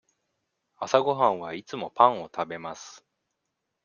朝ごはんはいつもパンを食べます。